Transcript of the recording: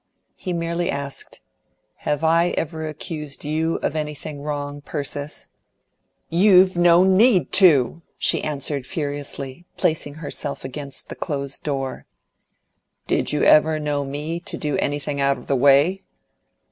He merely asked, "Have I ever accused you of anything wrong, Persis?" "You no need to!" she answered furiously, placing herself against the closed door. "Did you ever know me to do anything out of the way?"